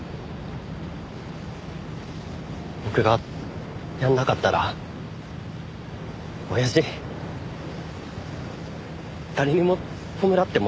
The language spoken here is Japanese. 僕がやらなかったら親父誰にも弔ってもらえないし。